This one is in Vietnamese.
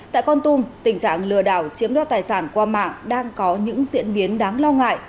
tại con tum tình trạng lừa đảo chiếm đo tài sản qua mạng đang có những diễn biến đáng lo ngại